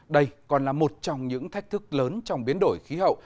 đây còn là một trong những thách thức lớn trong biến đổi khí hậu